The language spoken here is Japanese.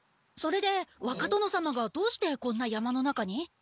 それで若殿様がどうしてこんな山の中に？